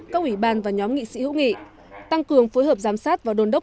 các ủy ban và nhóm nghị sĩ hữu nghị tăng cường phối hợp giám sát và đồn đốc